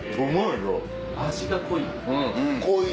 味が濃い。